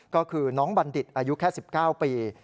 ก็คือน้องบัณฑิตอายุแค่๑๙ปี